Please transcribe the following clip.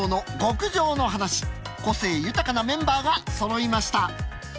個性豊かなメンバーがそろいました。